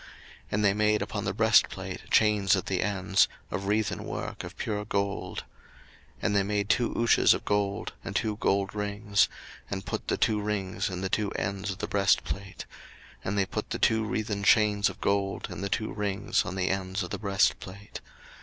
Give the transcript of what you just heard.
02:039:015 And they made upon the breastplate chains at the ends, of wreathen work of pure gold. 02:039:016 And they made two ouches of gold, and two gold rings; and put the two rings in the two ends of the breastplate. 02:039:017 And they put the two wreathen chains of gold in the two rings on the ends of the breastplate.